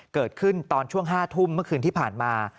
เกิดขึ้นตอนช่วง๕ทุ่มเมื่อคืนที่ผ่านมา